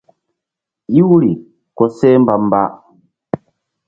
Iwri koseh mbamba.